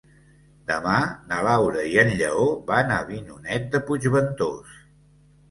Demà na Laura i en Lleó van a Avinyonet de Puigventós.